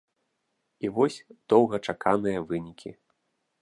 І вось доўгачаканыя вынікі.